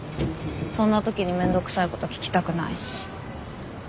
そんな時に面倒くさいこと聞きたくないし。